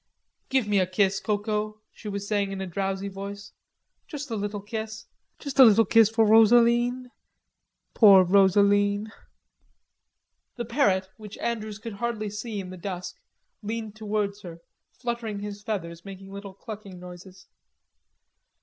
"Give me a kiss, Coco," she was saying in a drowsy voice, "just a little kiss. Just a little kiss for Rosaline, poor little Rosaline." The parrot, which Andrews could hardly see in the dusk, leaned towards her, fluttering his feathers, making little clucking noises.